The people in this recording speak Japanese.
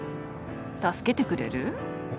助けてくれる？